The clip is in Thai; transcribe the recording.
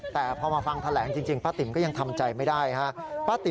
แต่พอมาฟังแถลงจริงป้าติ๋มก็ยังทำใจไม่ได้ฮะ